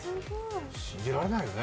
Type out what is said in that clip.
信じられないよね。